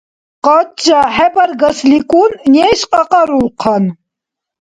Къача хӀебаргасликӀун неш кьакьарулхъан.